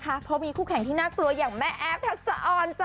กดอย่างวัยจริงเห็นพี่แอนทองผสมเจ้าหญิงแห่งโมงการบันเทิงไทยวัยที่สุดค่ะ